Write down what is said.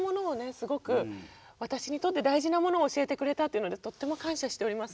すごく私にとって大事なものを教えてくれたというのでとっても感謝しております。